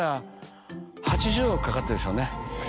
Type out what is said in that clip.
かかってるでしょうね。